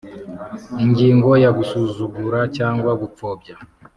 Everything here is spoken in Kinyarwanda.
Ingingo ya Gusuzugura cyangwa gupfobya